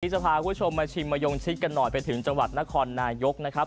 จะพาคุณผู้ชมมาชิมมะยงชิดกันหน่อยไปถึงจังหวัดนครนายกนะครับ